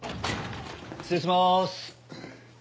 失礼します。